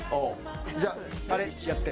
じゃああれやって。